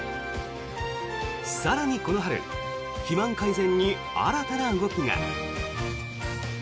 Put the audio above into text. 更に、この春肥満改善に新たな動きが。